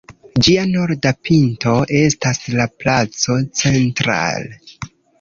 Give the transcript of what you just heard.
Ĝia norda pinto estas la placo "Central".